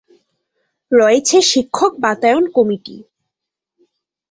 রয়েছে শিক্ষক বাতায়ন কমিটি।